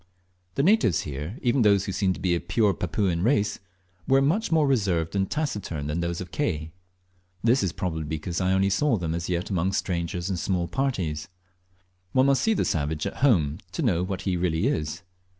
The natives here, even those who seem to be of pare Papuan race, were much more reserved and taciturn than those of Ke. This is probably because I only saw them as yet among strangers and in small parties, One must see the savage at home to know what he really is.